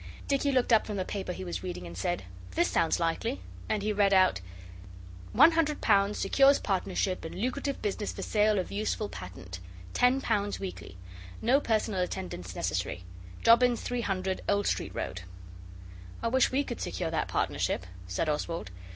Dicky looked up from the paper he was reading and said, 'This sounds likely,' and he read out 'L100 secures partnership in lucrative business for sale of useful patent. L10 weekly. No personal attendance necessary. Jobbins, 300, Old Street Road.' 'I wish we could secure that partnership,' said Oswald.